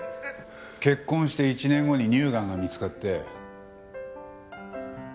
結婚して１年後に乳がんが見つかって。